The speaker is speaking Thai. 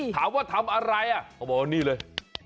ถามว่าทำอะไรอ่ะเขาบอกว่านี่เลย